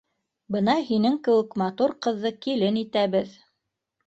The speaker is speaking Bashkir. — Бына һинең кеүек матур ҡыҙҙы килен итәбеҙ